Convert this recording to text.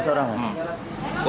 lima belas orang ya